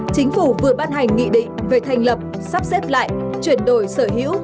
chính phủ vừa ban hành nghị định về thành lập sắp xếp lại chuyển đổi sở hữu